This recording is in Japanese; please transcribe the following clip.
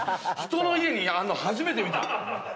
人の家にあんの初めて見た。